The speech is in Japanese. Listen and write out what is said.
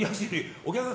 お客さん